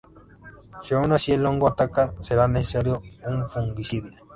Si aun así el hongo ataca, será necesario un fungicida.